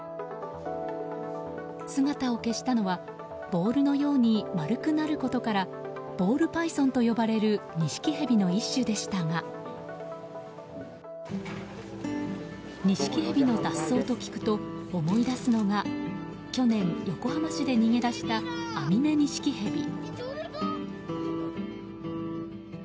姿を消したのはボールのように丸くなることからボールパイソンと呼ばれるニシキヘビの一種でしたがニシキヘビの脱走と聞くと思い出すのが去年、横浜市で逃げ出したアミメニシキヘビ。